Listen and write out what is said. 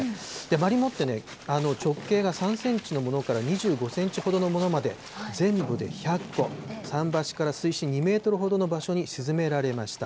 マリモってね、直径が３センチのものから２５センチほどのものまで、全部で１００個、桟橋から水深２メートルほどの場所に沈められました。